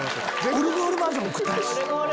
「オルゴールバージョン送ったらしい」